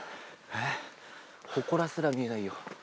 ほこらすら見えないよ。